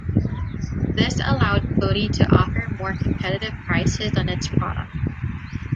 This allowed Coty to offer more competitive prices on its products.